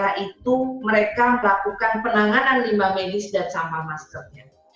saya pastikan betul setiap daerah itu mereka melakukan penanganan limbah medis dan sampah masker